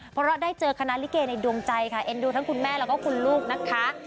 เพราะได้เจอคณะลิเกในดวงใจค่ะเอ็นดูทั้งคุณแม่แล้วก็คุณลูกนะคะ